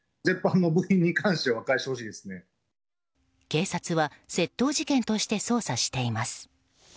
警察は窃盗事件として捜査しています。